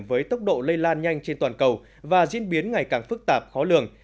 với tốc độ lây lan nhanh trên toàn cầu và diễn biến ngày càng phức tạp khó lường